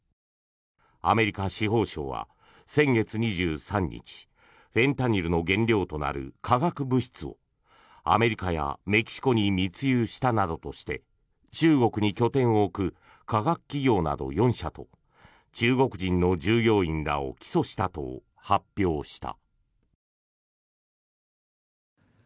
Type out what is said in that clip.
アメリカ司法省は先月２３日フェンタニルの原料となる化学物質をアメリカやメキシコに密輸したなどとして中国に拠点を置く化学企業など４社と中国人の従業員らを起訴したと発表した。